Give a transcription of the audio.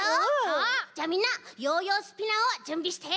じゃみんなヨーヨースピナーをじゅんびして。